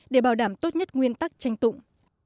để bảo đảm tốt nhất nguyên tắc tranh tụng